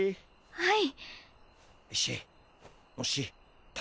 はい。